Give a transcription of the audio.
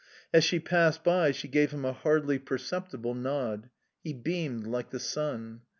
As she passed by, she gave him a hardly perceptible nod. He beamed like the sun...